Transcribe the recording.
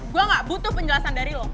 gue gak butuh penjelasan dari lo